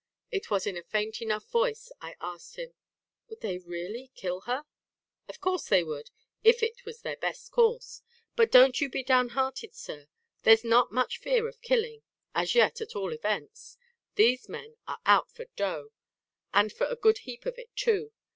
It was in a faint enough voice I asked him: "Would they really kill her?" "Of course they would; if it was their best course. But don't you be downhearted, Sir. There's not much fear of killing as yet at all events. These men are out for dough; and for a good heap of it, too.